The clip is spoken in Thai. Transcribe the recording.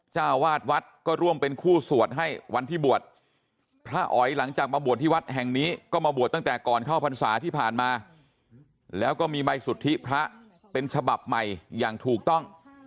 เจ้าวาดวัดก็ร่วมเป็นคู่สวดให้วันที่บวชพระอ๋อยหลังจากมาบวชที่วัดแห่งนี้ก็มาบวชตั้งแต่ก่อนเข้าพรรษาที่ผ่านมาแล้วก็มีใบสุทธิพระเป็นฉบับใหม่อย่างถูกต้อง